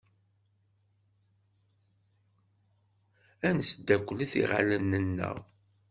Ad nesdakklet iɣallen-nneɣ.